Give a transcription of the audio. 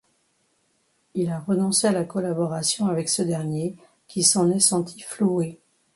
Il a renoncé à la collaboration avec ce dernier qui s'en est senti floué.